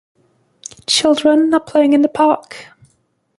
Children are playing in the park.